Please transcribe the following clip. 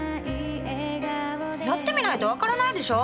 やってみないと分からないでしょ？